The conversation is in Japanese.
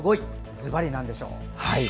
ずばり、なんでしょう？